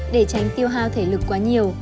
để tránh tiêu hao thể lực quá nhiều